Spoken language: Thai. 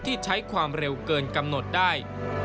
ที่ใช้ความเร็วเกินกำหนดได้